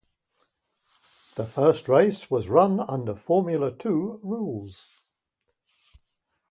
The first race was run under Formula Two rules.